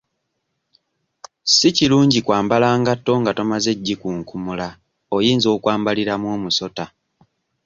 Si kirungi kwambala ngatto nga tomazze gikunkumula oyinza okwambaliramu omusota.